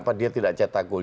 apa dia tidak cetak gol